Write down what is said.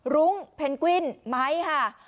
รุ้งเพนกวินไม้ค่ะ